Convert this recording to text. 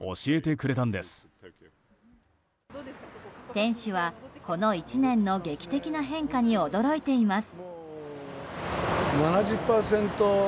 店主は、この１年の劇的な変化に驚いています。